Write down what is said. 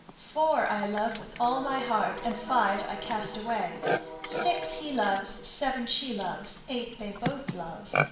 Four I love with all my heart, And five I cast away. Six he loves, Seven she loves, Eight they both love.